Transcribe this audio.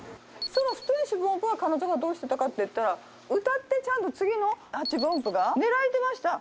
その付点４分音符は彼女がどうしてたかっていったら歌ってちゃんと次の８分音符が狙えてました。